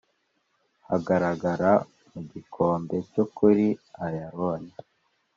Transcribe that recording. Hagarara mu gikombe cyo kuri ayaloni